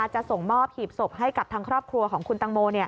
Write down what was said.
จะส่งมอบหีบศพให้กับทางครอบครัวของคุณตังโม